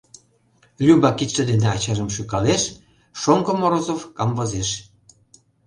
Люба кидше дене ачажым шӱкалеш, шоҥго Морозов камвозеш.